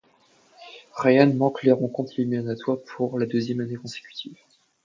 Ryan manque les rencontres éliminatoires pour la deuxième année consécutive.